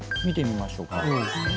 見てみましょうか。